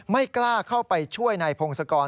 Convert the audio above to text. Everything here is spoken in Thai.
ไม่กล้าเข้าไปช่วยนายพงศกร